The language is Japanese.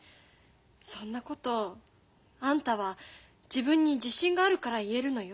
そんなことあんたは自分に自信があるから言えるのよ。